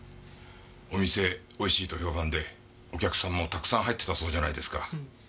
お店美味しいと評判でお客さんもたくさん入ってたそうじゃないですか。